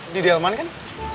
di delman kan